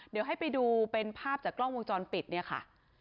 เดี๋ยวให้ไปดูเป็นภาพจากกล้องวงจรปิดเนี่ยค่ะ